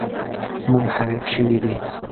منحرف شوي دي.